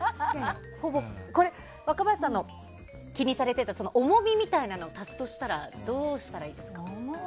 若林さんの気にされていた重みみたいなのを足すとしたらどうしたらいいですか？